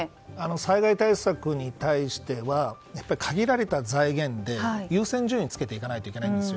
災害対策に対しては限られた財源で優先順位をつけていかないといけないんです。